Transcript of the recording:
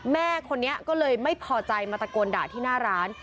แม่คนนี้ก็เลยไม่พอใจมาตะโกนด่าที่หน้าร้าน